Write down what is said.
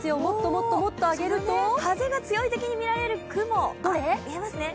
もっともっと上げると風が強いときに見られる雲、見えますね。